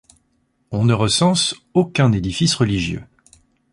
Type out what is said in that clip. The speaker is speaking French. On ne recense aucun édifice religieux.